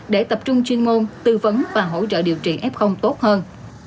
để tập trung chuyên ngôn tư vấn và hỗ trợ điều trị f tốt hơn